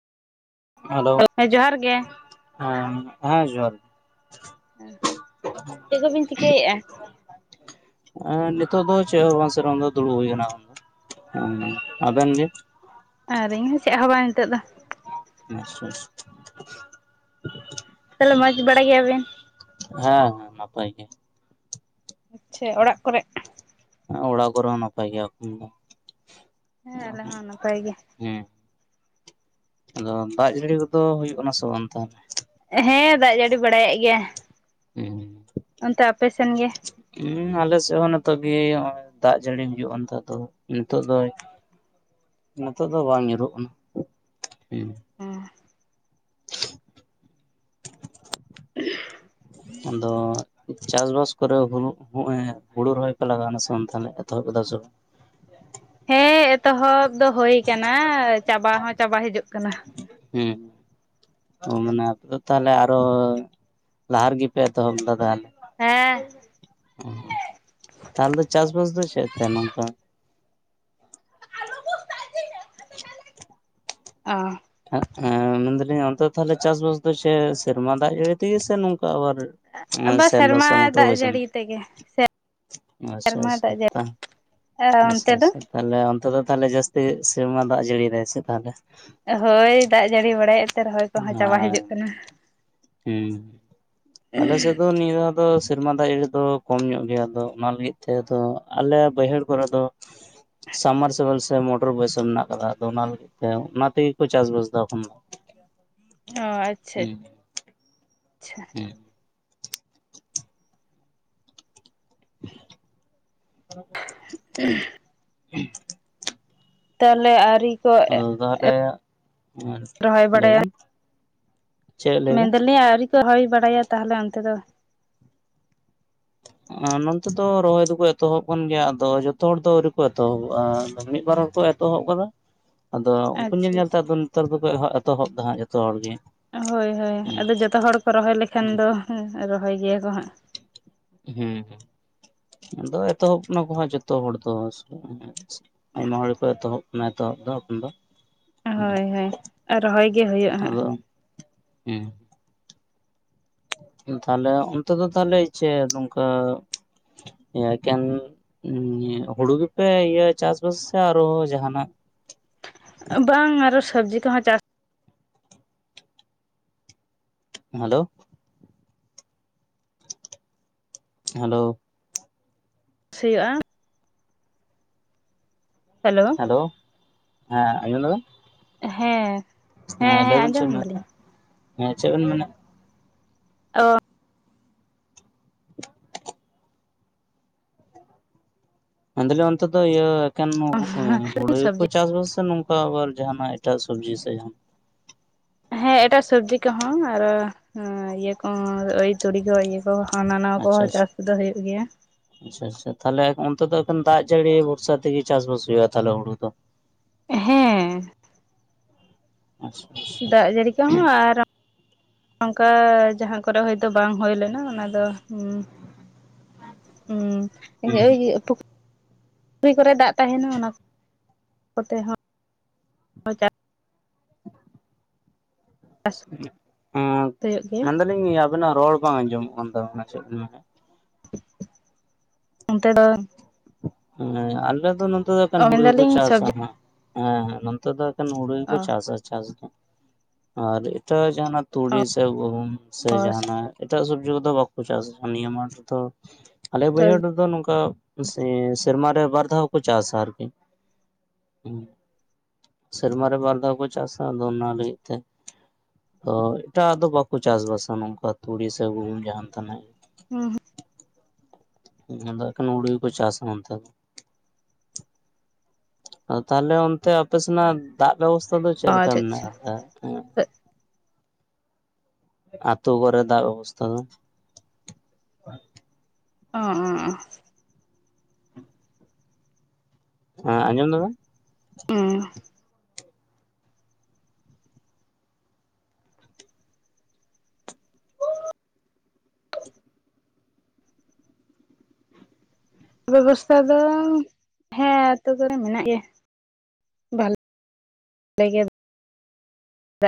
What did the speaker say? Hello ᱦᱳᱭ ᱡᱚᱦᱟᱨ ᱜᱮ ᱦᱮᱸ ᱦᱮᱸ ᱡᱚᱦᱟᱨ ᱜᱮ ᱪᱮᱜ ᱠᱚᱵᱤᱱ ᱪᱤᱠᱟᱹᱭᱮᱜᱼᱟ? ᱮᱸ ᱱᱤᱛᱚᱜ ᱫᱚ ᱪᱮᱜ ᱦᱚᱸ ᱵᱟᱝ ᱥᱮᱨᱚᱠᱚᱢ ᱫᱚ ᱫᱩᱲᱩᱵ ᱦᱩᱭ ᱠᱟᱱᱟ᱾ ᱦᱮᱸ ᱚᱱᱟ ᱟᱵᱮᱱ ᱜᱮ? ᱟᱨᱤᱧ ᱦᱚᱸ ᱪᱮᱜ ᱦᱚᱸ ᱵᱟᱝ ᱱᱤᱛᱚᱜ ᱫᱚ᱾ ᱟᱪᱪᱷᱟᱼᱪᱷᱟ᱾ ᱛᱟᱞᱮ ᱢᱚᱸᱡᱽ ᱵᱟᱲᱟ ᱜᱮᱭᱟᱵᱮᱱ? ᱦᱮᱸ ᱦᱮᱸ ᱱᱟᱯᱟᱭ ᱜᱮ᱾ ᱟᱪᱷᱮ ᱚᱲᱟᱜ ᱠᱚᱨᱮᱜ? ᱚᱲᱟᱜ ᱠᱚᱨᱮ ᱦᱚᱸ ᱱᱟᱯᱟᱭ ᱜᱮᱭᱟ ᱠᱚ ᱦᱮᱸ ᱟᱞᱮ ᱦᱚᱸ ᱱᱟᱯᱟᱭ ᱜᱮ [unintelligible] ᱦᱮᱸ ᱟᱫᱚ ᱫᱟᱜ ᱡᱟᱹᱲᱤ ᱠᱚᱫᱚ ᱦᱩᱭᱩᱜ ᱠᱟᱱᱟ ᱥᱮ ᱵᱟᱝ ᱛᱟᱦᱞᱮ? ᱦᱮᱸ ᱫᱟᱜ ᱡᱟᱹᱲᱤ ᱵᱟᱲᱟᱭᱮᱜ ᱜᱮᱭᱟᱭ᱾ ᱚᱱᱛᱮ ᱟᱯᱮ ᱥᱮᱱ ᱜᱮ? ᱦᱩᱸ ᱟᱞᱮᱥᱮᱜ ᱦᱚᱸ ᱱᱤᱛᱚᱜ ᱜᱮ ᱦᱚᱸᱜᱼᱚᱭ ᱫᱟᱜ ᱡᱟᱹᱲᱤ ᱦᱩᱭᱩᱜᱼᱟ ᱱᱤᱛᱚᱜ ᱫᱚ ᱱᱤᱛᱚᱜ ᱫᱚᱭ ᱱᱤᱛᱚᱜ ᱫᱚ ᱵᱟᱝ ᱧᱩᱨᱩᱜ ᱠᱟᱱᱟ ᱦᱩᱸ᱾ ᱦᱮᱸ ᱟᱫᱚ ᱪᱟᱥᱵᱟᱥ ᱠᱚᱨᱮ ᱦᱩᱲᱩ ᱦᱚᱸᱜᱼᱚᱭ ᱦᱩᱲᱩ ᱨᱚᱦᱚᱭ ᱯᱮ ᱞᱟᱜᱟᱣ ᱮᱱᱟ ᱥᱮ ᱛᱟᱦᱞᱮ ᱮᱛᱚᱦᱚᱵ ᱠᱮᱫᱟ ᱥᱮ ᱵᱟᱝ? ᱦᱮᱸ ᱮᱛᱚᱦᱚᱵ ᱫᱚ ᱦᱩᱭ ᱟᱠᱟᱱᱟ ᱪᱟᱵᱟ ᱦᱚᱸ ᱪᱟᱵᱟ ᱦᱤᱡᱩᱜ ᱠᱟᱱᱟ᱾ ᱦᱩᱸ ᱚ ᱢᱟᱱᱮ ᱟᱯᱮ ᱫᱚ ᱛᱟᱦᱞᱮ ᱟᱨᱦᱚ ᱞᱟᱦᱟ ᱨᱮᱜᱮ ᱯᱮ ᱮᱛᱚᱦᱚᱵ ᱞᱮᱫᱟ ᱛᱟᱦᱞᱮ? ᱦᱮᱸ ᱚ ᱛᱟᱦᱞᱮ ᱫᱚ ᱪᱟᱥᱵᱟᱥ ᱫᱚ ᱪᱮᱜ ᱛᱮ? ᱱᱚᱝᱠᱟ [inaudible] ᱟ ᱦᱮᱸᱜ ᱮ ᱢᱮᱱ ᱫᱟᱞᱤᱧ ᱚᱱᱛᱮ ᱫᱚ ᱛᱟᱦᱞᱮ ᱪᱟᱥᱵᱟᱥ ᱫᱚ ᱪᱮᱜ ᱥᱮᱨᱢᱟ ᱫᱟᱜ ᱡᱟᱹᱲᱤ ᱛᱮᱜᱮ ᱥᱮ ᱱᱚᱝᱠᱟ ᱟᱵᱟᱨ ᱟᱵᱟᱨ ᱥᱮᱞᱚ ᱥᱮᱨᱢᱟ ᱥᱮ ᱢᱚᱴᱚᱨ ᱫᱟᱜ ᱵᱚᱭᱥᱟᱣ ᱡᱟᱹᱲᱤ ᱢᱮᱱᱟᱜᱼᱟ? ᱛᱮᱜᱮ ᱟᱪᱪᱷᱟ ᱥᱮᱨᱢᱟ ᱫᱟᱜ ᱡᱟᱹᱲᱤ ᱟᱪᱪᱷᱟ ᱟᱨ ᱟᱪᱪᱷᱟ ᱚᱱᱛᱮ ᱫᱚ ᱟᱪᱪᱷᱟ ᱛᱟᱦᱚᱞᱮ ᱚᱱᱛᱮ ᱫᱚ ᱛᱟᱦᱚᱞᱮ ᱡᱟᱹᱥᱛᱤ ᱥᱮᱨᱢᱟ ᱫᱟᱜ ᱡᱟᱹᱲᱤᱭ ᱫᱟᱭ ᱥᱮ ᱛᱟᱦᱚᱞᱮ ᱦᱚᱭ ᱫᱟᱜ ᱡᱟᱹᱲᱤ ᱵᱟᱲᱟᱭᱮᱫ ᱱᱚᱛᱮ ᱨᱚᱦᱚᱭ ᱠᱚᱦᱚᱸ ᱪᱟᱵᱟ ᱦᱮᱸ ᱦᱤᱡᱩᱜ ᱠᱟᱱᱟ ᱟᱞᱮ ᱥᱮᱫ [unintelligible] ᱱᱤᱭᱟᱹ ᱫᱷᱟᱣ ᱫᱚ ᱥᱮᱨᱢᱟ ᱫᱟᱜ ᱨᱮ ᱫᱚ ᱠᱚᱢ ᱧᱚᱜ ᱜᱮᱭᱟ ᱟᱫᱚ ᱚᱱᱟ ᱞᱟᱹᱜᱤᱫ ᱛᱮ ᱟᱞᱮ ᱵᱟᱹᱭᱦᱟᱹᱲ ᱠᱚᱨᱮ ᱫᱚ ᱥᱟᱵᱢᱟᱨᱥᱟᱞ ᱥᱮ ᱢᱚᱴᱚᱨ ᱵᱟᱹᱭᱥᱟᱹ ᱢᱮᱱᱟᱜ ᱟᱠᱟᱫᱟ ᱟᱫᱚ ᱚᱱᱟ ᱞᱟᱹᱜᱤᱫ ᱦᱮ ᱚᱱᱟ ᱛᱮᱜᱮᱠᱚ ᱪᱟᱥᱵᱟᱥ ᱮᱫᱟ ᱮᱱᱠᱷᱚᱱ ᱫᱚ ᱚᱸ ᱟᱪᱪᱷᱟ ᱪᱷᱟ᱾ [unintelligible] [inaudible] ᱛᱟᱦᱚᱞᱮ ᱟᱨᱤ ᱟᱫᱚ ᱛᱟᱦᱞᱮ, ᱦᱮᱸ ᱨᱚᱦᱚᱭ ᱞᱟᱹᱭ ᱵᱟᱲᱟᱭᱟ ᱵᱮᱱ᱾ ᱪᱮᱫ ᱞᱟᱹᱭ ᱵᱮᱱ ᱢᱮᱱᱫᱟᱞᱤᱧ ᱟᱹᱣᱨᱤ ᱠᱚ ᱨᱚᱦᱚᱭ ᱵᱟᱲᱟᱭᱟ ᱛᱟᱦᱚᱞᱮ ᱚᱱᱛᱮ ᱫᱚ? ᱱᱚᱱᱚᱛᱮ ᱫᱚ ᱨᱚᱦᱚᱭ ᱫᱚᱠᱚ ᱮᱛᱚᱦᱚᱵ ᱠᱟᱱ ᱜᱮᱭᱟ ᱟᱫᱚ ᱡᱚᱛᱚ ᱦᱚᱲ ᱫᱚ ᱟᱹᱣᱨᱤ ᱠᱚ ᱮᱛᱚᱦᱚᱵᱚᱜᱼᱟ ᱢᱤᱫ ᱵᱟᱨ ᱦᱚᱲᱠᱚ ᱮᱛᱚ ᱮᱛᱚᱦᱚᱵ ᱟᱠᱟ ᱟᱫᱚ ᱩᱱᱠᱩ ᱟᱪᱪᱷᱟ ᱧᱮᱞ ᱧᱮᱞ ᱛᱮ ᱟᱪᱪᱷᱟ ᱱᱮᱛᱟᱨ ᱫᱚᱠᱚ ᱮᱛᱚ, ᱮᱛᱚᱦᱚᱵ ᱫᱟ ᱦᱟᱸᱜ ᱡᱚᱛᱚ ᱦᱚᱲ ᱜᱮ᱾ ᱦᱳᱭ ᱦᱳᱭ ᱟᱫᱚ ᱡᱚᱛᱚ ᱦᱚᱲ ᱠᱚ ᱨᱚᱦᱚᱭ ᱞᱮᱠᱷᱟᱱ ᱫᱚ ᱨᱚᱦᱚᱭ ᱜᱮᱭᱟ ᱠᱚ ᱦᱟᱸᱜ᱾ ᱦᱮᱸ ᱟᱫᱚ ᱮᱛᱚᱦᱚᱵ ᱮᱱᱟ ᱠᱚ ᱦᱟᱸᱜ ᱡᱷᱚᱛᱚ ᱦᱚᱲ ᱫᱚ ᱦᱮᱸᱥᱮ ᱟᱭᱢᱟ ᱦᱚᱲ ᱜᱮ ᱠᱚ ᱮᱛᱚᱦᱚᱵ ᱱᱟ, ᱮᱛᱚᱦᱚᱵ ᱫᱚ ᱮᱠᱷᱚᱱ ᱫᱚ᱾ ᱦᱳᱭ ᱦᱳᱭ ᱟᱨ ᱨᱚᱦᱚᱭ ᱜᱮ ᱦᱩᱭᱩᱜᱼᱟ ᱦᱟᱸᱜ᱾ ᱟᱫᱚ [unintelligible] ᱛᱟᱦᱞᱮ ᱚᱱᱛᱮ ᱫᱚ ᱛᱟᱦᱞᱮ ᱪᱮᱫ ᱱᱚᱝᱠᱟ ᱮᱠᱮᱱ ᱦᱩᱲᱩ ᱜᱮᱯᱮ ᱤᱭᱟᱹ ᱪᱟᱥᱵᱟᱥ ᱥᱮ ᱟᱨᱚ ᱡᱟᱦᱟᱱᱟᱜ ᱵᱟᱝ ᱟᱨᱚ ᱥᱚᱵᱽᱡᱤ ᱠᱚᱦᱚᱸ ᱪᱟᱥ ᱦᱮᱞᱳ᱾ ᱦᱮᱞᱳ ᱥᱤᱭᱟᱜᱼᱟ᱾ ᱦᱮᱞᱳ ᱦᱮᱞᱳ ᱦᱮᱸ ᱟᱸᱡᱚᱢ ᱫᱟᱵᱮᱱ? ᱦᱮᱸ ᱦᱮᱸ ᱞᱟᱹᱭ ᱦᱮᱸ ᱵᱮᱱ ᱪᱮᱫ ᱟᱸᱡᱚᱢ ᱵᱮᱱ ᱢᱮᱱᱮᱫ ᱫᱟᱞᱤᱧ᱾ ᱛᱟᱦᱮᱸᱫ ᱦᱮᱸ ᱪᱮᱫ ᱵᱮᱱ ᱢᱮᱱᱟ ᱚ ᱢᱮᱱ ᱫᱟᱞᱤᱧ ᱚᱱᱛᱮ ᱫᱚ ᱤᱭᱟᱹ ᱮᱠᱮᱱ ᱦᱩᱲᱩ ᱜᱮᱠᱚ ᱥᱚᱵᱽᱡᱤ ᱪᱟᱥᱵᱟᱥ ᱥᱮ ᱱᱚᱝᱠᱟ ᱟᱵᱟᱨ ᱡᱟᱦᱱᱟᱜ ᱮᱴᱟᱜ ᱥᱚᱵᱡᱤ ᱥᱮ ᱡᱟᱦᱟᱱ ᱦᱮᱸ ᱮᱴᱟᱜ ᱥᱚᱵᱡᱤ ᱠᱚᱦᱚᱸ ᱟᱨᱚ ᱦᱚᱸ ᱤᱭᱟᱹ ᱠᱚᱦᱚᱸ ᱳᱭ ᱛᱩᱲᱤ ᱠᱚ ᱤᱭᱟᱹ ᱠᱚ ᱦᱟᱱᱟ ᱱᱟᱣᱟ ᱟᱪᱪᱷᱟ ᱠᱚᱦᱚᱸ ᱟᱪᱪᱷᱟ ᱪᱟᱥ ᱫᱚ ᱦᱩᱭᱩᱜ ᱜᱮᱭᱟ᱾ ᱟᱪᱪᱷᱟ ᱟᱪᱪᱷᱟ ᱛᱟᱦᱚᱞᱮ ᱚᱱᱛᱮ ᱫᱚ ᱮᱠᱷᱚᱱ ᱫᱟᱜ ᱡᱟᱹᱲᱤ ᱵᱷᱚᱨᱥᱟ ᱛᱮᱜᱮ ᱪᱟᱥᱵᱟᱥ ᱦᱩᱭᱩᱜᱼᱟ ᱛᱟᱦᱚᱞᱮ ᱦᱩᱲᱩ ᱫᱚ? ᱦᱮᱸ ᱟᱪᱪᱷᱟ ᱟᱪᱪᱷᱟ ᱫᱟᱜ ᱡᱟᱹᱲᱤ ᱠᱚᱦᱚᱸ ᱟᱨ ᱚᱱᱠᱟ ᱡᱟᱦᱟᱸ ᱠᱚᱨᱮ ᱦᱚᱳᱭᱛᱚ ᱵᱟᱝ ᱦᱩᱭ ᱞᱮᱱᱟ ᱚᱱᱟ ᱫᱚ ᱦᱩᱸ ᱦᱩᱸ [unintelligible] ᱼᱼᱼ ᱯᱩᱠᱨᱤ ᱠᱚᱨᱮ ᱫᱟᱜ ᱛᱟᱦᱮᱱᱟ ᱚᱱᱟ ᱠᱚᱛᱮ ᱦᱚᱸ ᱪᱟᱥ [unintelligible] ᱦᱩᱭᱩᱜ ᱜᱮᱭᱟ ᱢᱮᱱᱫᱟᱞᱤᱧ ᱟᱵᱤᱱᱟᱜ ᱨᱚᱲ ᱵᱟᱝ ᱟᱸᱡᱚᱢᱚᱜ ᱠᱟᱱ ᱛᱟᱵᱮᱱᱟ ᱪᱮᱫ ᱵᱤᱱ ᱢᱮᱱᱮᱜ ᱚᱱᱛᱮ ᱫᱚ ᱦᱮᱸ ᱟᱞᱮ ᱫᱚ ᱱᱚᱛᱮ ᱫᱚ ᱚ ᱮᱠᱮᱱ ᱦᱩᱲᱩ ᱜᱮᱠᱚ ᱢᱮᱱᱫᱟᱞᱤᱧ ᱪᱟᱥᱟ ᱥᱚᱵᱽᱡᱤ ᱦᱟᱸᱜ ᱦᱮᱸ ᱱᱚᱛᱮ ᱫᱚ ᱮᱠᱮᱱ ᱦᱩᱲᱩ ᱜᱮᱠᱚ ᱚ ᱪᱟᱥᱟ ᱪᱟᱥ ᱫᱚ ᱟᱨ ᱛᱚ ᱡᱟᱦᱱᱟᱜ ᱚ ᱛᱩᱲᱤ ᱥᱮ ᱜᱩᱦᱩᱢ ᱥᱮ ᱡᱟᱦᱱᱟᱜ ᱮᱴᱟᱜ ᱥᱚᱵᱡᱤ ᱠᱚᱫᱚ ᱵᱟᱠᱚ ᱪᱟᱥᱟ ᱱᱤᱭᱟᱹ ᱢᱟᱴᱷ ᱨᱮᱫᱚ ᱟᱞᱮ ᱵᱟᱹᱭᱦᱟᱹᱲ ᱥᱚᱵᱽᱡᱤ ᱨᱮᱫᱚ ᱱᱚᱝᱠᱟ ᱵᱮᱥᱤ ᱥᱮᱨᱢ ᱨᱮ ᱵᱟᱨ ᱫᱷᱟᱣ ᱦᱚᱸᱠᱚ ᱪᱟᱥᱟ ᱟᱨᱠᱤ ᱦᱩᱸ᱾ ᱥᱮᱨᱢᱟ ᱨᱮ ᱵᱟᱨ ᱫᱷᱟᱣ ᱠᱚ ᱪᱟᱥᱟ ᱟᱫᱚ ᱚᱱᱟ ᱞᱟᱹᱜᱤᱫ ᱛᱮ ᱛᱚ ᱮᱴᱟᱜ ᱫᱚ ᱵᱟᱠᱚ ᱪᱟᱥ ᱵᱟᱥᱟ ᱱᱚᱝᱠᱟ ᱛᱩᱲᱤ ᱥᱮ ᱜᱩᱦᱩᱢ ᱡᱟᱦᱟᱱ ᱛᱟᱱᱟᱜ᱾ ᱦᱩᱸ [inaudible] ᱦᱩᱲᱩ ᱜᱮᱠᱚ ᱪᱟᱥᱟ ᱚᱱᱛᱮ᱾ ᱛᱟᱦᱞᱮ ᱚᱱᱛᱮ ᱟᱯᱮ ᱥᱮᱱᱟᱜ ᱫᱟᱜ ᱵᱮᱵᱚᱥᱛᱛᱟ ᱫᱚ ᱪᱮᱫᱮ ᱞᱮᱠᱟ ᱟᱪᱪᱷᱟ ᱢᱮᱱᱟᱜ ᱟᱪᱪᱷᱟ ᱠᱟᱫᱟ? ᱟᱛᱳ ᱠᱚᱨᱮ ᱫᱟᱜ ᱵᱮᱵᱚᱥᱛᱷᱟ ᱫᱚ [unintelligible] ᱦᱮ ᱟᱹᱡᱚᱢ ᱫᱟ ᱵᱮᱱ ᱦᱩᱸ ᱵᱮᱵᱚᱥᱛᱛᱟ ᱫᱚ ᱦᱮᱸ ᱟᱛᱳ ᱠᱚᱨᱮ ᱢᱮᱱᱟᱜ ᱜᱮᱭᱟ [inaudible]